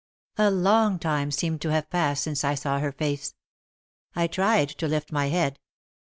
A long time seemed to have passed since I saw her face. I tried to lift my head.